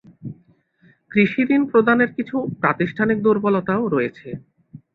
কৃষিঋণ প্রদানের কিছু প্রাতিষ্ঠানিক দুর্বলতাও রয়েছে।